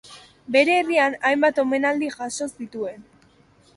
Bere herrian hainbat omenaldi jaso zituen.